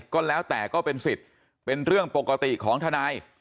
ก็แล้วแต่ก็เป็นสิทธิ์เป็นเรื่องปกติของทนาย